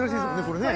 これね。